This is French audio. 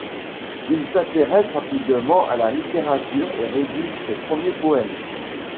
Il s'intéresse rapidement à la littérature et rédige ses premiers poèmes.